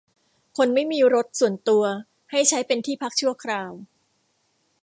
คนไม่มีรถส่วนตัวให้ใช้เป็นที่พักชั่วคราว